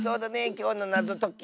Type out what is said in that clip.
きょうのなぞとき。